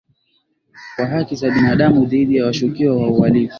wa haki za binadamu dhidi ya washukiwa wa uhalifu